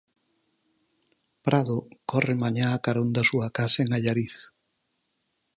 Prado corre mañá a carón da súa casa en Allariz.